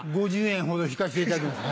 ５０円ほど引かせていただきます。